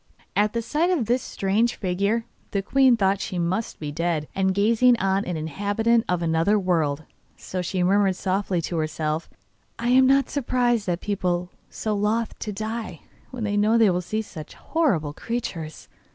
At the sight of this strange figure the queen thought she must be dead, and gazing on an inhabitant of another world. So she murmured softly to herself: 'I am not surprised that people are so loth to die when they know that they will see such horrible creatures.